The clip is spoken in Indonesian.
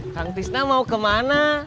kang tisna mau kemana